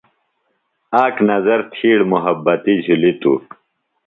اک نظر تِھیڑ محبتی جُھلیۡ توۡ۔